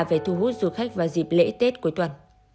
về thu hút du khách vào dịp lễ tết cuối tuần